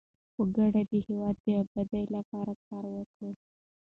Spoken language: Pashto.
په ګډه د هیواد د ابادۍ لپاره کار وکړو.